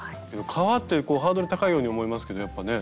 革ってハードル高いように思えますけどやっぱね。